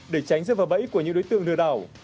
để tránh rơi vào bẫy của những đối tượng lừa đảo